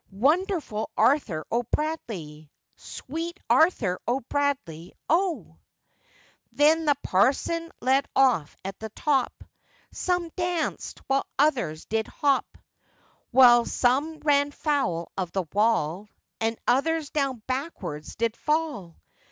wonderful Arthur O'Bradley! Sweet Arthur O'Bradley, O! Then the parson led off at the top, Some danced, while others did hop; While some ran foul of the wall, And others down backwards did fall.